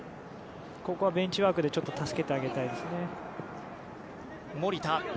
ここはベンチワークで助けてあげたいですね。